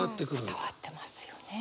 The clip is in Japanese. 伝わってますよね。